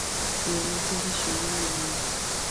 Tuelekeze shuleni leo.